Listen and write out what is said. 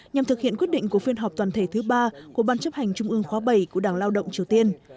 nhằm thực hiện quyết định của phiên họp toàn thể thứ ba của ban chấp hành trung ương khóa bảy của đảng lao động triều tiên